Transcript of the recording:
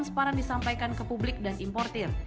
kepala pemerintah tidak pernah disampaikan ke publik dan imporir